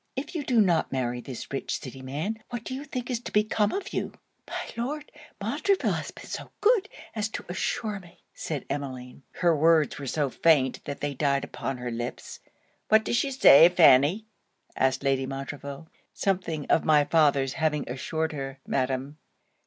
If you do not marry this rich city man, what do you think is to become of you?' 'My Lord Montreville has been so good as to assure me,' said Emmeline her words were so faint, that they died away upon her lips. 'What does she say, Fanny?' asked Lady Montreville. 'Something of my father's having assured her, Madam.'